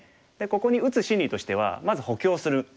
ここに打つ心理としてはまず補強するのが一つ。